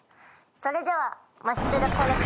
それでは。